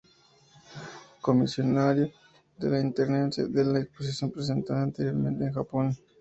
Comisariado de la itinerancia de la exposición presentada anteriormente en Japón.